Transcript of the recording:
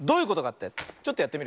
ちょっとやってみるからね。